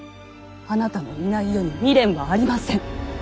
あなたのいない世に未練はありません。